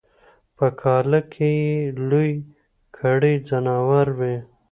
په کاله کی یې لوی کړي ځناور وي